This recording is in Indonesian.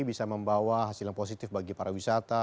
bisa membawa hasil yang positif bagi para wisata